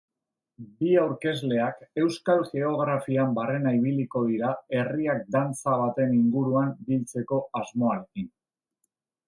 Bi aurkezleak euskal geografian barrena ibiliko dira herriak dantza baten inguruan biltzeko asmoarekin.